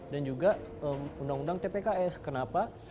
dan juga undang undang tpks kenapa